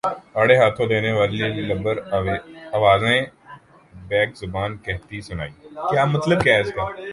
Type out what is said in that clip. آڑے ہاتھوں لینے والی لبرل آوازیں بیک زبان کہتی سنائی